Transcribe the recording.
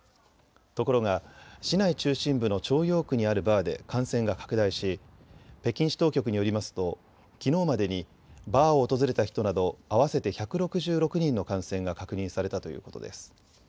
ところが市内中心部の朝陽区にあるバーで感染が拡大し北京市当局によりますときのうまでにバーを訪れた人など合わせて１６６人の感染が確認されたということです。